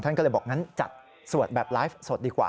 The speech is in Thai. ก็เลยบอกงั้นจัดสวดแบบไลฟ์สดดีกว่า